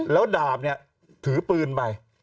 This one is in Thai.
แล้วดาบเนี่ยถือปืนไป